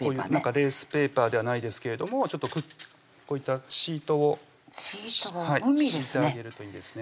レースペーパーではないですけどこういったシートをシートを海ですね